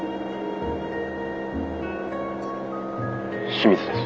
清水です。